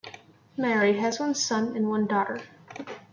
Married, has one son and daughter.